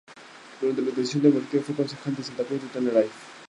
Durante la transición democrática fue concejal de Santa Cruz de Tenerife.